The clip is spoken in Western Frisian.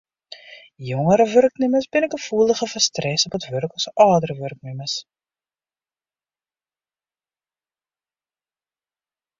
Jongere wurknimmers binne gefoeliger foar stress op it wurk as âldere wurknimmers.